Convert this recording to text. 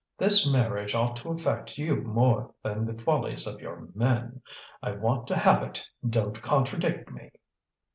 This marriage ought to affect you more than the follies of your men. I want to have it, don't contradict me."